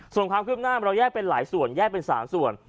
ส่วนความคืบหน้าเราแยกเป็นหลายส่วนแยกเป็น๓ส่วน